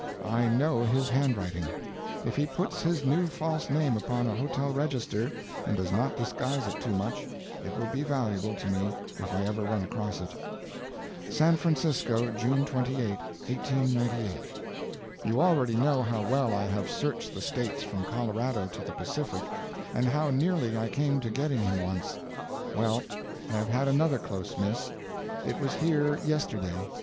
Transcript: I know his handwriting. If he puts his new false name upon a hotel register and does not disguise it too much, it will be valuable to me if I ever run across it. SAN FRANCISCO, June 28, 1898. You already know how well I have searched the states from Colorado to the Pacific, and how nearly I came to getting him once. Well, I have had another close miss. It was here, yesterday.